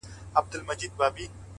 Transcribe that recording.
هغه سړی کلونه پس دی!! راوتلی ښار ته!!